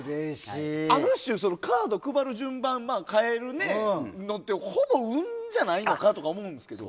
ある種、カードを配る順番を変えるのってほぼ運じゃないのかって思いますけど。